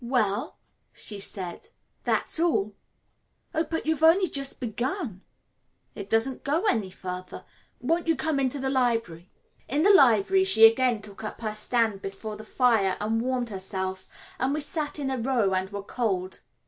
"Well?" she said. "That's all." "Oh, but you've only just begun." "It doesn't go any further. Won't you come into the library?" In the library she again took up her stand before the fire and warmed herself, and we sat in a row and were cold.